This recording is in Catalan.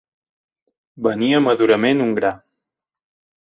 Venir a madurament un gra.